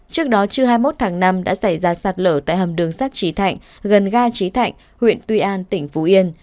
trước đó trưa hai mươi một tháng năm đã xảy ra sạt lở tại hầm đường sắt trí thạnh gần ga trí thạnh huyện tuy an tỉnh phú yên